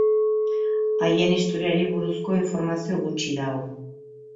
Haien historiari buruzko informazio gutxi dago.